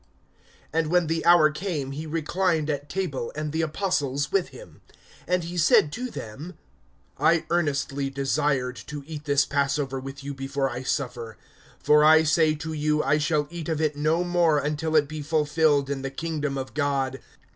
(14)And when the hour came, he reclined at table, and the apostles with him. (15)And he said to them: I earnestly desired to eat this passover with you before I suffer. (16)For I say to you, I shall eat of it no more, until it be fulfilled in the kingdom of God.